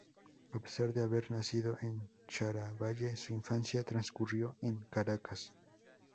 A pesar de haber nacido en Charallave, su infancia transcurrió en Caracas.